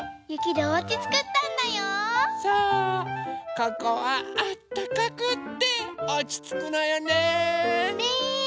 ここはあったかくておちつくのよね。ね。